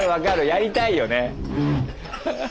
やりたいよね。